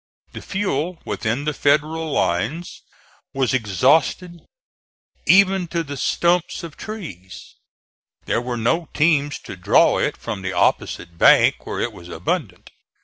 The fuel within the Federal lines was exhausted, even to the stumps of trees. There were no teams to draw it from the opposite bank, where it was abundant.